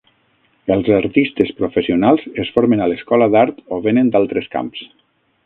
Els artistes professionals es formen a l'escola d'art o venen d'altres camps.